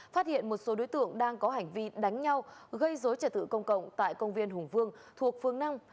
phát hiện một số đối tượng đang có hành vi đánh nhau gây dối trật tự công cộng tại công viên hùng vương thuộc phương năm